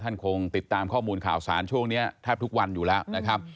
คงติดตามข้อมูลข่าวสารช่วงนี้แทบทุกวันอยู่แล้วนะครับ